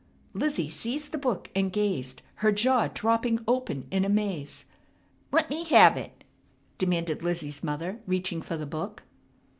Lizzie seized the book and gazed, her jaw dropping open in amaze. "Let me have it!" demanded Lizzie's mother, reaching for the book.